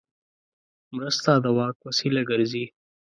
مرسته د واک وسیله ګرځي.